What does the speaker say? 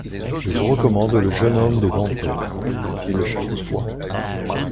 Je vous recommande le jeune homme des dentelles, concluait-il chaque fois.